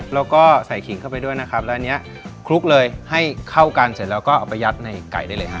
แล้วก็ใส่ขิงเข้าไปด้วยนะครับแล้วอันนี้คลุกเลยให้เข้ากันเสร็จแล้วก็เอาไปยัดในไก่ได้เลยฮะ